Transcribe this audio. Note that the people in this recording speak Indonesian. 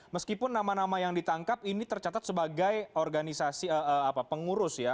meskipun nama nama yang ditangkap ini tercatat sebagai organisasi pengurus ya